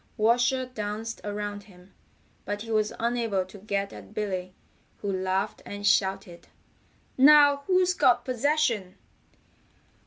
Washer danced around him, but he was unable to get at Billy, who laughed and shouted: "Now who's got possession?"